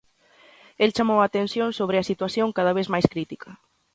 El chamou a atención sobre a "situación, cada vez máis critica".